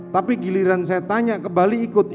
tapi giliran saya tanya ke bali ikut